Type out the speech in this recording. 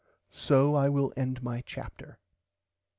So I will end my chapter.